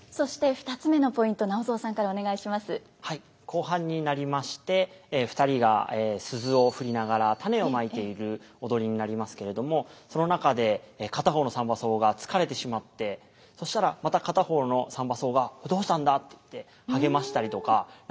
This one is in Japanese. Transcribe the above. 後半になりまして２人が鈴を振りながら種をまいている踊りになりますけれどもその中で片方の三番叟が疲れてしまってそしたらまた片方の三番叟が「どうしたんだ」って言って励ましたりとか「何で休むんだよ」